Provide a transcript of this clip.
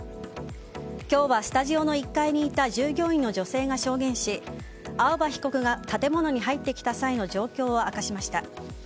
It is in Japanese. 今日はスタジオの１階にいた従業員の女性が証言し青葉被告が建物に入ってきた際の状況を明かしました。